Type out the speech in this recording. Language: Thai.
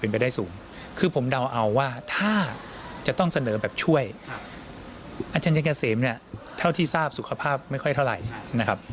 เท่าที่ทราบสุขภาพไม่ค่อยเท่าไรนะครับ